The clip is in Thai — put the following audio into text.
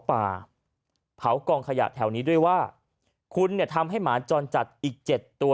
ป่าเผากองขยะแถวนี้ด้วยว่าคุณทำให้หมาจอลจัดอีก๗ตัว